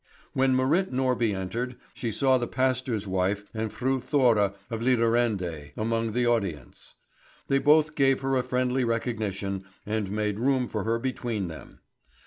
When Marit Norby entered, she saw the pastor's wife and Fru Thora of Lidarende among the audience. They both gave her a friendly recognition, and made room for her between them.